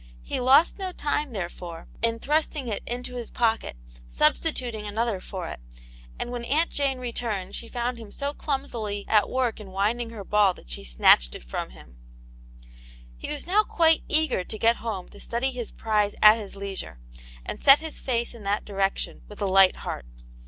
He lost no time, therefore, in thrusting it into his pocket, substituting another for it, and when Aunt Jane returned she found him so clumsily Aunt Janets Hero.. 65 'at work in winding her ball that she "snatched it from him. He was now quite eager to get home to study his prize at his leisure, and set his face in that direction, with a light heart.